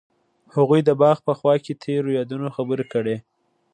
هغوی د باغ په خوا کې تیرو یادونو خبرې کړې.